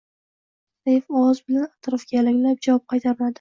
zaif ovoz bilan atrofiga alanglab. Javob qaytmadi.